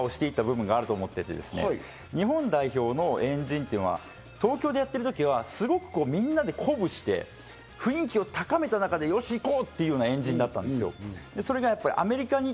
日本代表ってこの大会を通じて変化していた部分があると思っていて、日本代表の円陣っていうのは東京でやってるときは、すごくみんなで鼓舞して、雰囲気を高めた中で、よし行こう！という円陣だったんです。